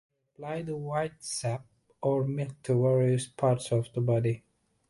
They apply the white sap or milk to various parts of the body.